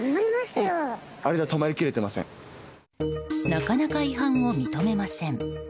なかなか違反を認めません。